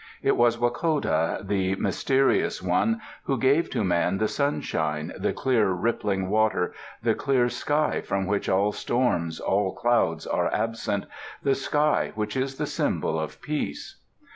It was Wakoda, the Mysterious One, who gave to man the sunshine, the clear rippling water, the clear sky from which all storms, all clouds are absent, the sky which is the symbol of peace.